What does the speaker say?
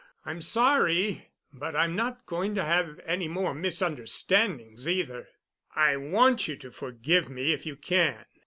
I'm sorry, but I'm not going to have any more misunderstandings, either. I want you to forgive me if you can.